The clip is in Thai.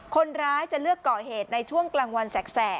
คนร้ายจะเลือกก่อเหตุในช่วงกลางวันแสก